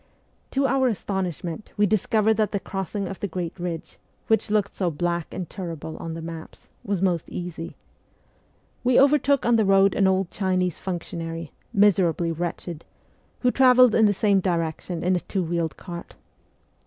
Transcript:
To our astonishment we discovered that the crossing of the great ridge, which looked so black and terrible on the maps, was most easy. We overtook on the SIBERIA 237 road an old Chinese functionary, miserably wretched, who travelled in the same direction in a two wheeled cart.